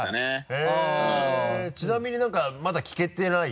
へぇちなみに何かまだ聞けてない。